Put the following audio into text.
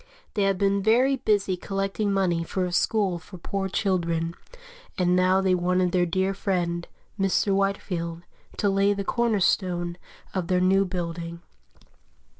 They had been very busy collecting money for a school for poor children, and now they wanted their dear friend, Mr. Whitefield, to lay the corner stone of their new building.